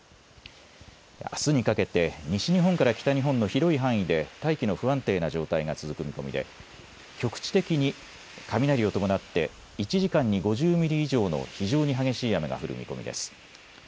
あすにかけて西日本から北日本の広い範囲で大気の不安定な状態が続く見込みで局地的に雷を伴って１時間に５０ミリ以上の非常に激しい雨が降る見込みです。